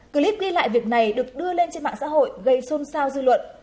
clip ghi lại việc này được đưa lên trên mạng xã hội gây xôn xao dư luận